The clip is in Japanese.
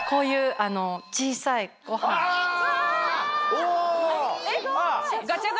お！